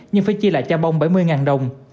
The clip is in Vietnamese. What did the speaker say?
nhưng phải chia lại cho bông bảy mươi đồng